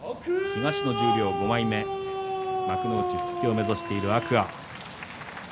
東の十両５枚目幕内復帰を目指している天空海。